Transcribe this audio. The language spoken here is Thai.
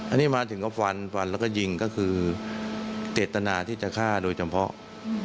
อันนี้มาถึงก็ฟันฟันแล้วก็ยิงก็คือเจตนาที่จะฆ่าโดยเฉพาะ